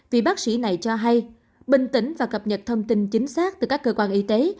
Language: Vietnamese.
vì bác sĩ này cho hay bình tĩnh và cập nhật thông tin chính xác từ các cơ quan y tế